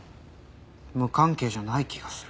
無関係じゃない気がする。